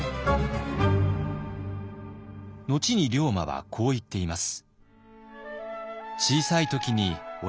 後に龍馬はこう言っています。